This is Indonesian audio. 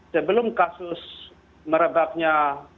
sebelum kasus merebaknya